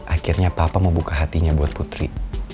akhirnya papa mau buka hatinya buat putri